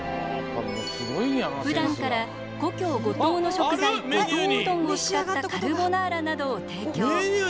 ふだんから、故郷・五島の食材五島うどんを使ったカルボナーラなどを提供。